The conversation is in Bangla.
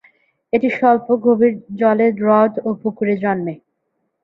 এটি স্বল্প গভীর জলের হ্রদ ও পুকুরে জন্মে।